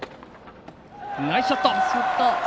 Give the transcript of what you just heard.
ナイスショット！